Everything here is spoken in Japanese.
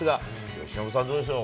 由伸さん、どうでしょう？